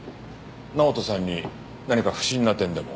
直人さんに何か不審な点でも？